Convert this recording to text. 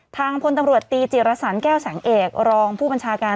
พลตำรวจตีจิรสันแก้วแสงเอกรองผู้บัญชาการ